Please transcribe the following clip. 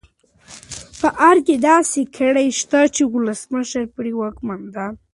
په ارګ کې داسې کړۍ شته چې د ولسمشر پرې واکمنه ده.